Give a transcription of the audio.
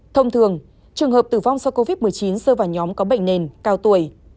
thông thường trường hợp tử vong do covid một mươi chín rơi vào nhóm có bệnh nền cao tuổi